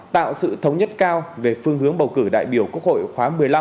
tạo sự thống nhất cao về phương hướng bầu cử đại biểu quốc hội khóa một mươi năm